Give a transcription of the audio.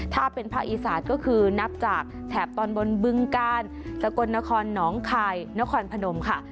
ถ้าเป็นภาคอีสานก็คือนับจากแถบตอนบนบึงกาลสกลนครหนองคายนครพนมค่ะ